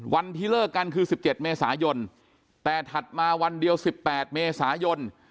วันที่เลิกกันคือ๑๗เมษายนแต่ถัดมาวันเดียว๑๘เมษายน